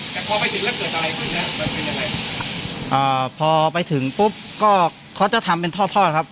แต่พอไปถึงแล้วเกิดอะไรขึ้นฮะมันเป็นยังไงอ่าพอไปถึงปุ๊บก็เขาจะทำเป็นทอดทอดครับ